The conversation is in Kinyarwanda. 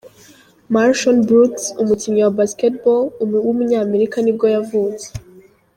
MarShon Brooks, umukinnyi wa basketball w’umunyamerika nibwo yavutse.